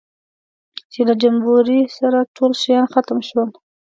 چې له جمبوري سره ټول شیان ختم شول.